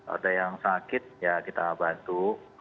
ada yang sakit ya kita bantu